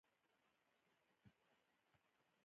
د بلخ په نهر شاهي کې د څه شي نښې دي؟